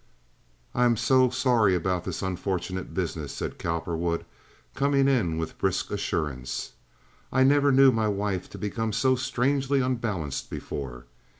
"I am so sorry about this unfortunate business," said Cowperwood, coming in with brisk assurance. "I never knew my wife to become so strangely unbalanced before.